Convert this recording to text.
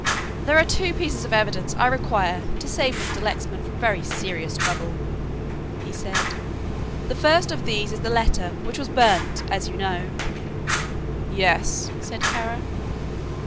"There are two pieces of evidence I require to save Mr. Lexman from very serious trouble," he said, "the first of these is the letter which was burnt, as you know." "Yes," said Kara.